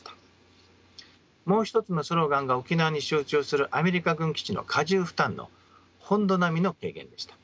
もう一つのスローガンが沖縄に集中するアメリカ軍基地の過重負担の本土並みの軽減でした。